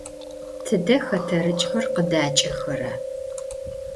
Tıde xeterıç'xer khıdaç'exera?